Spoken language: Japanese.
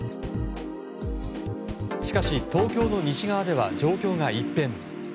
しかし、東京の西側では状況が一変。